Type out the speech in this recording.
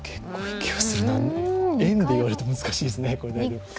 円で言われると難しいですね。